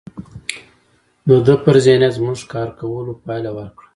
د ده پر ذهنیت زموږ کار کولو پایله ورکړه